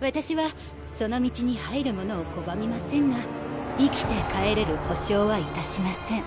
私はその道に入る者を拒みませんが生きて帰れる保証はいたしません。